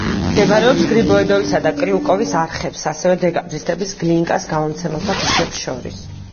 მდებარეობს გრიბოედოვისა და კრიუკოვის არხებს, ასევე დეკაბრისტების, გლინკას, გამომცემელთა ქუჩებს შორის.